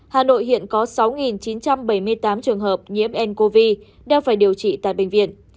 hà nội hiện có sáu chín trăm bảy mươi tám trường hợp nhiễm ncov đang phải điều trị tại bệnh viện